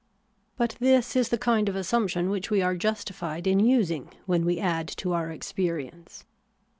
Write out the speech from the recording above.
But this is the kind of assumption which we are justified in using when we add to our experience.